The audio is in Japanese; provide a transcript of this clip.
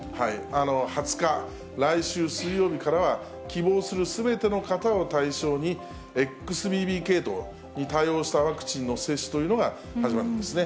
２０日、来週水曜日からは、希望するすべての方を対象に、ＸＢＢ系統に対応したワクチンの接種というのが始まるんですね。